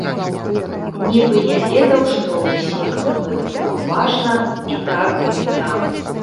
Нібы не ведаў, што ўсе, каму гэта было важна, і так былі там.